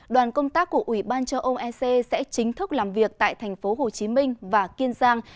đoàn công tác của ủy ban châu âu ec sẽ chính thức làm việc tại thành phố hồ chí minh và kiên giang